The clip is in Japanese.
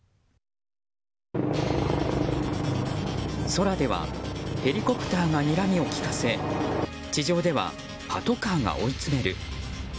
空ではヘリコプターがにらみを利かせ地上ではパトカーが追いつめる。